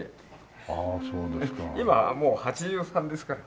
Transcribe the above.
今はもう８３ですから。